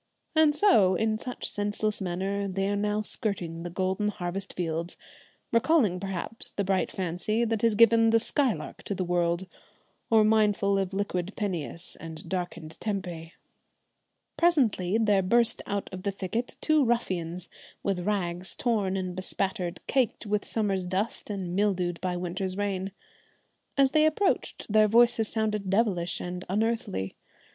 And so, in such senseless manner, they are now skirting the golden harvest fields, recalling perhaps the bright fancy that has given the 'Skylark' to the world, or mindful of "liquid Peneus" and "darkened Tempe." Presently there burst out of the thicket two ruffians, with rags torn and bespattered, caked with summer's dust and mildewed by winter's rain. As they approached their voices sounded devilish and unearthly.